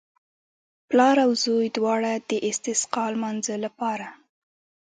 پلار او زوی دواړو د استسقا لمانځه لپاره.